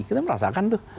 kita merasakan tuh